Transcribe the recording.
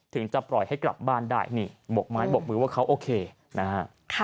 จะปล่อยให้กลับบ้านได้นี่บกไม้บกมือว่าเขาโอเคนะฮะ